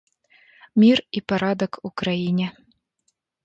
Мір і парадак у краіне.